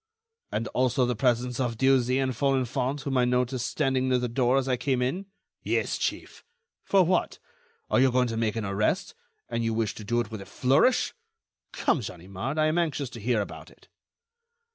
"And also the presence of Dieuzy and Folenfant, whom I noticed standing near the door as I came in?" "Yes, chief." "For what? Are you going to make an arrest, and you wish to do it with a flourish? Come, Ganimard, I am anxious to hear about it."